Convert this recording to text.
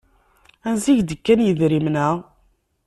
Ansi k-d-kkan yidrimen-a?